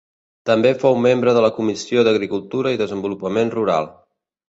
També fou membre de la Comissió d'Agricultura i Desenvolupament Rural.